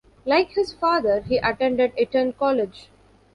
Like his father he attended Eton College.